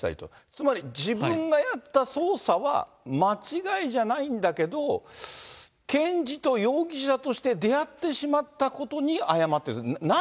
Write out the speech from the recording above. つまり自分がやった捜査は間違いじゃないんだけど、検事と容疑者として出会ってしまったことに謝ってる。